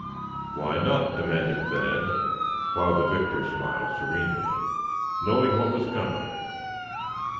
"Why not?" demanded Thad, while the victor smiled serenely, knowing what was coming.